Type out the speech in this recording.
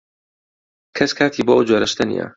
کەس کاتی بۆ ئەو جۆرە شتە نییە.